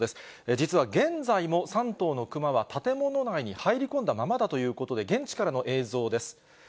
実は現在も３頭のクマは建物内に入り込んだままだということで、現地からの映像です。